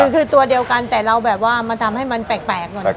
คือตัวเดียวกันแต่เราแบบว่ามาทำให้มันแปลกหน่อย